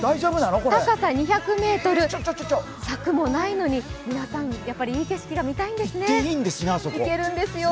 高さ２００ｍ、柵もないのに皆さん、やっぱりいい景色が見たいんですね。